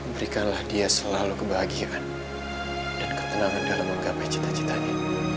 berikanlah dia selalu kebahagiaan dan ketenangan dalam menggapai cita citanya